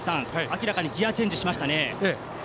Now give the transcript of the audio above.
明らかにギヤチェンジしましたね。